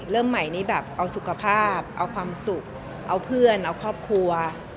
เริ่มใหม่นี่แบบเอาสุขภาพเอาความสุขเอาเพื่อนเอาครอบครัว